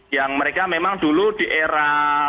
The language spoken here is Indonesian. yang mereka memang dulu di era